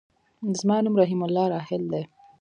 زما نوم رحيم الله راحل دی.